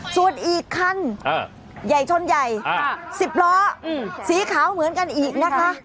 ส่วนอีกคันใหญ่ชนใหญ่๑๐ล้อสีขาวเหมือนกันอีกนะคะ